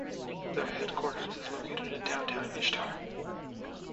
Their headquarters is located in downtown Ishtar.